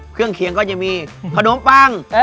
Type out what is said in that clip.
เครื่องเคียงก็จะมีขนมปัง